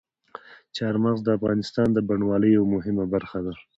چار مغز د افغانستان د بڼوالۍ یوه مهمه برخه ده.